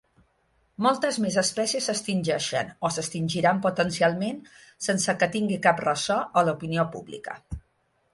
Moltes més espècies s'extingeixen, o s'extingiran potencialment, sense que tingui cap reso a l'opinió pública.